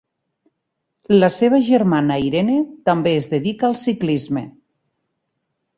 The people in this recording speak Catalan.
La seva germana Irene també es dedica al ciclisme.